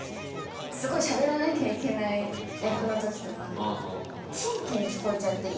すごいしゃべらなきゃいけない役のときとかキンキン聞こえちゃって。